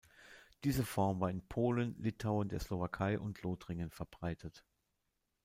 Diese Form war in Polen, Litauen, der Slowakei und Lothringen verbreitet.